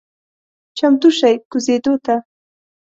چمتو شئ کوزیدو ته…